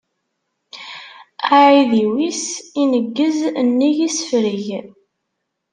Aεidiw-is ineggez nnig isefreg.